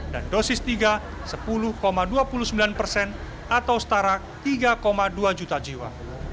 dan dosis tiga sepuluh dua puluh sembilan persen atau setara tiga dua juta jiwa